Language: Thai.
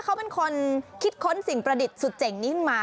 เขาเป็นคนคิดค้นสิ่งประดิษฐ์สุดเจ๋งนี้ขึ้นมา